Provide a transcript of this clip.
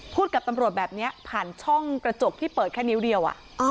กับตำรวจแบบนี้ผ่านช่องกระจกที่เปิดแค่นิ้วเดียว